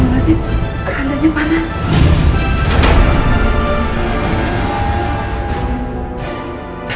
ternyata tanahannya panas